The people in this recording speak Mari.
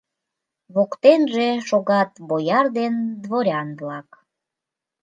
Воктенже шогат бояр ден дворян-влак